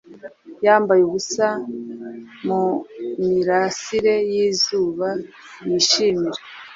Yambaye ubusa mumirasire yizuba yishimira.